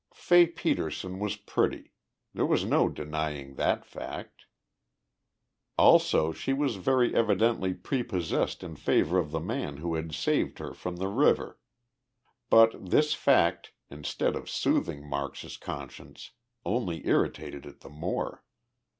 Fay Petersen was pretty. There was no denying that fact. Also she was very evidently prepossessed in favor of the man who had saved her from the river. But this fact, instead of soothing Marks's conscience, only irritated it the more.